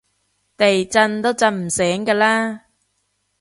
地震都震唔醒㗎喇